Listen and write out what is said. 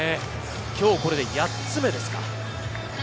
今日これで８つ目ですか？